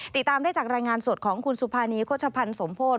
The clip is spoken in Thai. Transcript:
ติดตามได้จากรายงานสดของคุณสุภานีโฆษภัณฑ์สมโพธิ